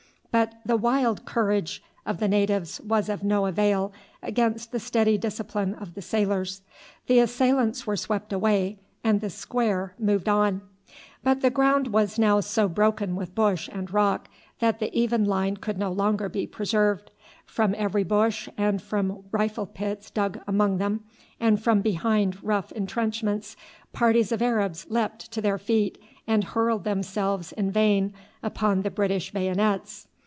But the wild courage of the natives was of no avail against the steady discipline of the sailors. The assailants were swept away, and the square moved on. But the ground was now so broken with bush and rock that the even line could no longer be preserved. From every bush, and from rifle pits dug among them, and from behind rough intrenchments, parties of Arabs leapt to their feet and hurled themselves in vain upon the British bayonets.